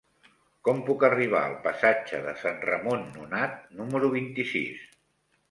Com puc arribar al passatge de Sant Ramon Nonat número vint-i-sis?